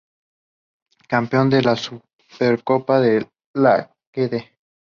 Campeón de la supercopa con la Kd